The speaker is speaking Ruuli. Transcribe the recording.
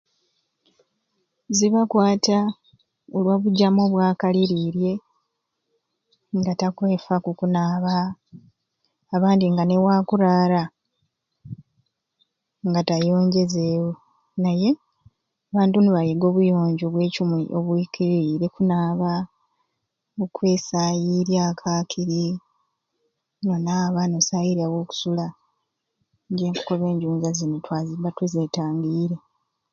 "Zibakwata olwa bujama obwakaliriirye nga takwefaaku kunaaba abandi nga n'ewakuraara nga tayonjezeewo naye abantu ni beega obuyonjo obwekyo obwikiririire okunaaba n'okwesaairyaku akiri n'onaaba n""osaairya wokusula nje nkukoba enjunzai zini twabba tuzetangiire."